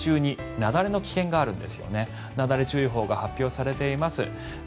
なだれ注意報が発表されています。